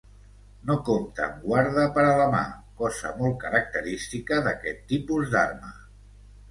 No compta amb guarda per a la mà, cosa molt característica d'aquest tipus d'arma.